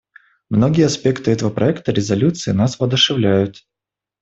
Многие аспекты этого проекта резолюции нас воодушевляют.